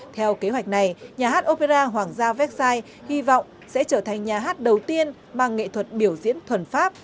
theo kế hoạch này nhà hát opera hoàng gia vecsai hy vọng sẽ trở thành nhà hát đầu tiên mang nghệ thuật biểu diễn thuần pháp